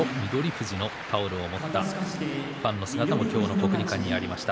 富士のタオルを持ったファンの姿も今日の国技館にありました。